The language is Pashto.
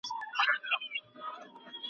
داسي بد ږغ یې هیڅ نه وو اورېدلی .